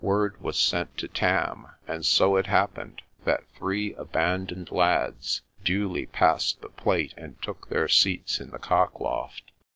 Word was sent to Tarn, and so it happened that three abandoned lads duly passed the plate and took their seats in the cock loft.